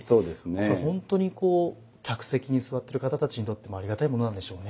これ本当にこう客席に座ってる方たちにとってもありがたいものなんでしょうね。